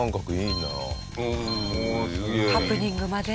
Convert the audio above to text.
ハプニングまで。